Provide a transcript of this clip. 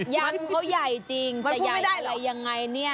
ย้ำเขาใหญ่จริงแต่ย้ำอะไรยังไงเนี่ย